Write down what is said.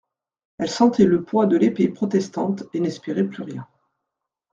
Elle sentait le poids de l'épée protestante et n'espérait plus rien.